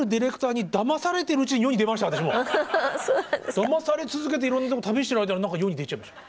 だまされ続けていろんなところ旅している間に世に出ちゃいました。